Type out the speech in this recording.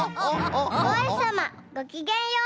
おうひさまごきげんよう！